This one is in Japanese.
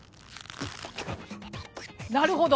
なるほど。